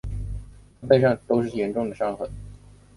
她背上都是严重的伤痕